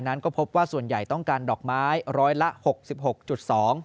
นั้นก็พบว่าส่วนใหญ่ต้องการดอกไม้ร้อยละ๖๖๒บาท